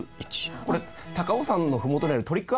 これ高尾山のふもとにあるトリック